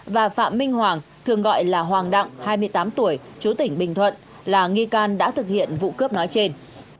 và phạm minh hoàng thường gọi là hoàng đặng hai mươi tám tuổi chú tỉnh bình thuận là nghi can đã thực hiện vụ cướp nói trên